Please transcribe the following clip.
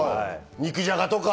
肉じゃがとか？